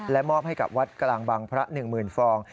มอบให้กับวัดกลางบังพระ๑๐๐๐ฟอง